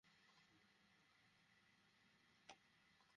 তোমার সাথে একটু কথা বলার ছিল।